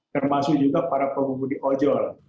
termasuk juga para pembunuh di ojol